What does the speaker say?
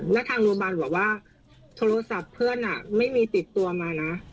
แล้วทางโรงพยาบาลบอกว่าโทรศัพท์เพื่อนไม่มีติดตัวมานะ